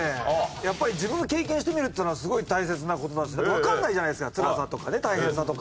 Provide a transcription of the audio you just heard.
やっぱり自分が経験してみるっていうのはすごい大切な事だしだってわかんないじゃないですかつらさとかね大変さとか。